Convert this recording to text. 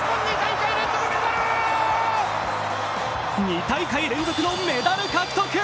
二大会連続のメダル獲得。